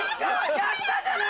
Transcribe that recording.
「やった」じゃない！